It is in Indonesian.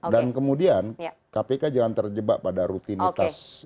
dan kemudian kpk jangan terjebak pada rutinitas agenda yang sendiri